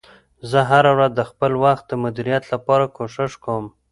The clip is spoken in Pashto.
زه هره ورځ د خپل وخت د مدیریت لپاره کوښښ کوم